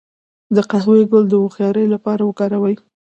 د قهوې ګل د هوښیارۍ لپاره وکاروئ